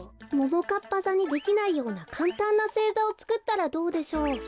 ももかっぱざにできないようなかんたんなせいざをつくったらどうでしょう？